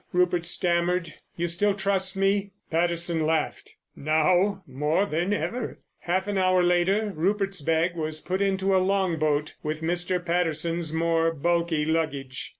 Rupert stammered. "You still trust me?" Patterson laughed. "Now, more than ever." Half an hour later Rupert's bag was put into a long boat with Mr. Patterson's more bulky luggage.